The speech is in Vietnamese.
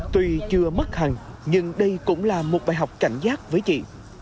tuy chưa mất hẳn nhưng đây cũng là một bài học cảnh giác với chị